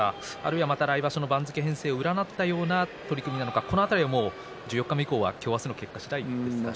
また来場所の番付編成を占ったような取組なのか十四日目以降は今日、明日の結果次第ですね。